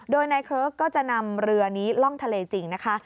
โดยนายเครกก็จะนำเรือนี้ล่องทะเลจริงนะคะ